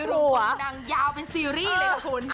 มีรูปกรุงดังยาวเป็นซีรีส์เลยคุณ